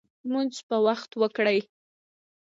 لمونځ په وخت وکړئ